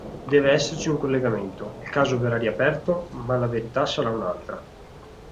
Deve esserci un collegamento, il caso verrà riaperto ma la verità sarà un'altra.